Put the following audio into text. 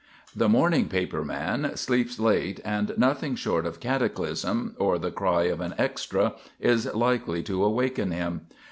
The morning paper man sleeps late and nothing short of cataclysm or the cry of an extra is likely to awaken him.